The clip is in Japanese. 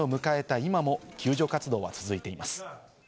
今も救助活動は続いています。